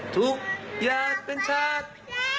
ทุกอย่างเป็นชาติ